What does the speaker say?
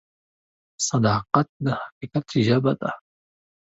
صداقت د حقیقت ژبه ده.